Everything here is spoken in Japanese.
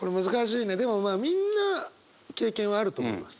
いやでもみんな経験はあると思います。